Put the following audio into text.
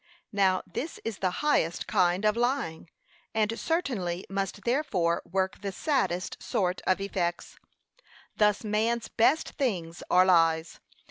Now this is the highest kind of lying, and certainly must therefore work the saddest sort of effects. Thus man's best things are lies.